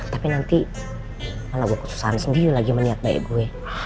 tapi nanti kalau gue kusari sendiri lagi meniat baik gue